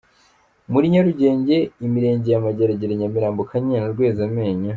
Muri Nyarugenge ni ab’ Imirenge ya Mageragere, Nyamirambo, Kanyinya na Rwezamenyo.